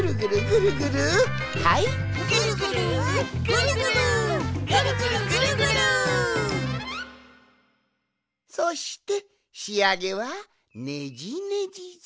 「ぐるぐるぐるぐるぐるぐるぐるぐる」そしてしあげはねじねじじゃ。